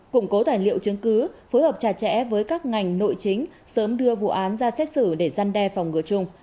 củng cố tài liệu chứng cứ phối hợp chặt chẽ với các ngành nội chính sớm đưa vụ án ra xét xử để giăn đe phòng ngừa chung